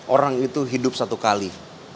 orang itu hidup satu kali